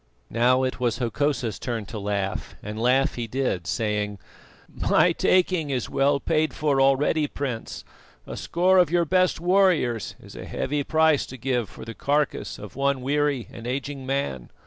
Now it was Hokosa's turn to laugh, and laugh he did, saying: "My taking is well paid for already, Prince. A score of your best warriors is a heavy price to give for the carcase of one weary and aging man.